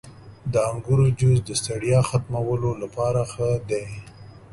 • د انګورو جوس د ستړیا ختمولو لپاره ښه دی.